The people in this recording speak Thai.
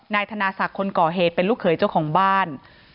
นายธนาศักดิ์คนก่อเหตุเป็นลูกเขยเจ้าของบ้าน